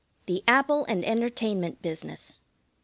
The Apple and Entertainment business.